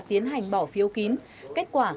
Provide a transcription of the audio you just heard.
tiến hành bỏ phiếu kín kết quả